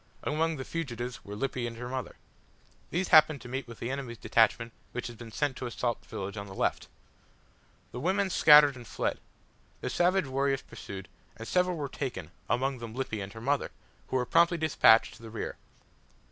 Among the fugitives were Lippy and her mother. These happened to meet with the enemy's detachment which had been sent to assault the village on the left. The women scattered and fled. The savage warriors pursued, and several were taken, among them Lippy and her mother, who were promptly despatched to the rear.